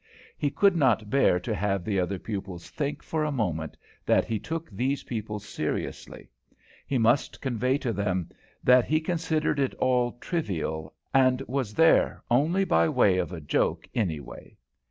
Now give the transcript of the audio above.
He could not bear to have the other pupils think, for a moment, that he took these people seriously; he must convey to them that he considered it all trivial, and was there only by way of a joke, anyway.